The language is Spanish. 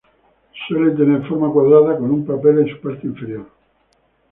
Suelen tener forma cuadrada con un papel en su parte inferior.